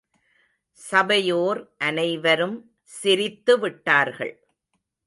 சபையோர் அனைவரும் சிரித்துவிட்டார்கள்.